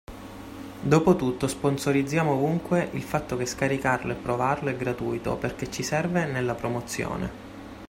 Dopotutto sponsorizziamo ovunque il fatto che scaricarlo e provarlo è gratuito perché ci serve nella promozione.